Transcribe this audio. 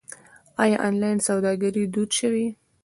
آیا آنلاین سوداګري دود شوې؟